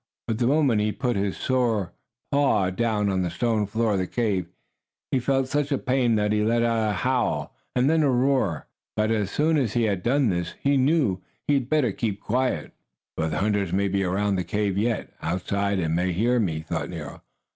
But the moment he put his sore paw down on the stone floor of the cave, he felt such a pain that he let out a howl and then a roar. But as soon as he had done this he knew he had better keep quiet. "For the hunters may be around the cave yet, outside, and may hear me," thought Nero.